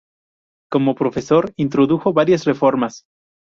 Como profesor introdujo varias reformas.